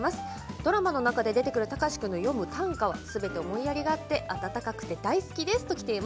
ドラマの中で出てくる貴司君の詠む短歌はすべて思いやりがあって温かくて大好きです。